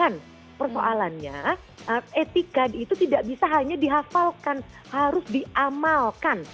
nah persoalannya etika itu tidak bisa hanya dihafalkan harus diamalkan